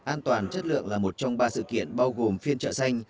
an toàn chất lượng là một trong ba sự kiện bao gồm phiên chợ xanh